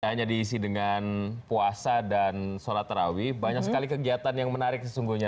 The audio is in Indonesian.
hanya diisi dengan puasa dan sholat terawih banyak sekali kegiatan yang menarik sesungguhnya